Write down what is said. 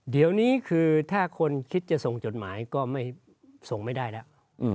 เดี๋ยวนี้คือถ้าคนคิดจะส่งจดหมายก็ไม่ส่งไม่ได้แล้ว